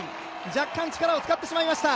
若干、力を使ってしまいました。